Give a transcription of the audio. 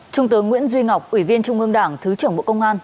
trung tướng nguyễn duy ngọc ủy viên trung ương đảng thứ trưởng bộ công an